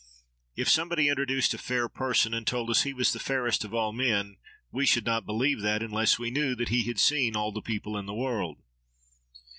If somebody introduced a fair person and told us he was the fairest of all men, we should not believe that, unless we knew that he had seen all the people in the world.